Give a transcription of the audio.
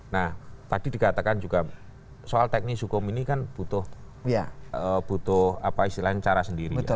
nah tadi dikatakan juga soal teknis hukum ini kan butuh cara sendiri ya